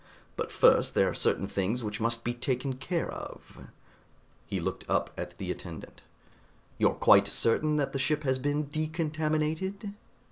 But first there are certain things which must be taken care of." He looked up at the attendant. "You're quite certain that the ship has been decontaminated?"